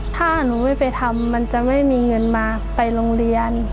ถ้าหนูไม่ไปทำมันจะไม่มีเงินมาไปโรงเรียน